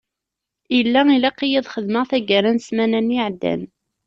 Yella ilaq-iyi ad xedmeɣ tagara n ssmana-nni iεeddan.